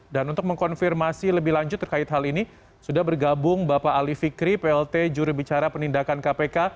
dan untuk mengkonfirmasi lebih lanjut terkait hal ini sudah bergabung bapak ali fikri plt juru bicara penindakan kpk